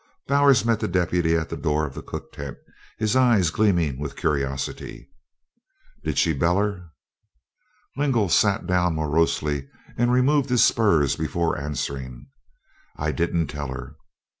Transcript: Bowers met the deputy at the door of the cook tent, his eyes gleaming with curiosity. "Did she beller?" Lingle sat down morosely and removed his spurs before answering. "I didn't tell her."